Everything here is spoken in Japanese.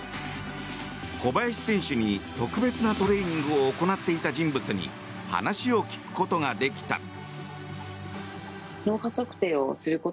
小林選手に特別なトレーニングを行っていた人物に話を聞くことができた。